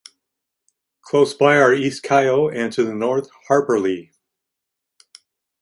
Close by are East Kyo and to the north, Harperley.